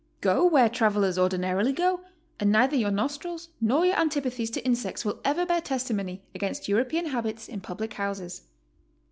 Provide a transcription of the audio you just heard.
Go where travelers ordinarily go and neither your nostrils nor your antipathies to insects will ever bear testimony against European habits in public houses.